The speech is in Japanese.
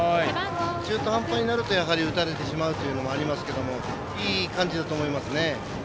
中途半端になると打たれてしまうというのがありますけどいい感じだと思いますね。